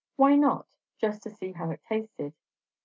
Why not, just to see how it tasted?